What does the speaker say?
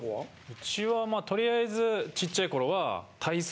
うちはとりあえずちっちゃい頃は。